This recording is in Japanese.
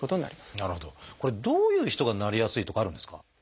これどういう人がなりやすいとかあるんですか？